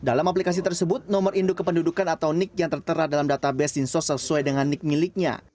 dalam aplikasi tersebut nomor induk kependudukan atau nik yang tertera dalam database dinsos sesuai dengan nik miliknya